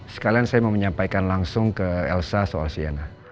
sekalian saya mau menyampaikan langsung ke elsa soal cnn